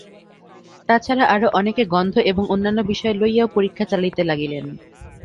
তাছাড়া আরও অনেকে গন্ধ এবং অন্যান্য বিষয় লইয়াও পরীক্ষা চালাইতে লাগিলেন।